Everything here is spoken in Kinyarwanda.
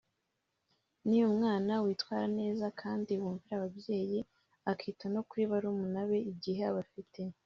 ni umwana witwara neza kandi wumvira ababyeyi akita no kuri barumuna be igihe abafite